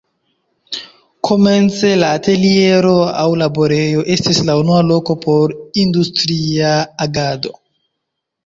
Komence la ateliero aŭ laborejo estis la unua loko por industria agado.